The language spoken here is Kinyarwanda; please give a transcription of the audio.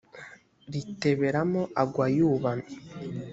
riteberamo agwa yubamye